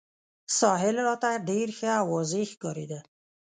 ساحل راته ډېر ښه او واضح ښکارېده.